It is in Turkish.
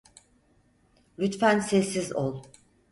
Lütfen sessiz ol.